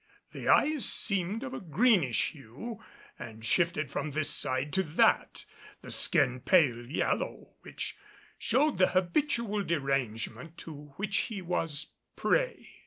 The eyes seemed of a greenish hue, and shifted from this side to that; the skin pale yellow, which showed the habitual derangement to which he was prey.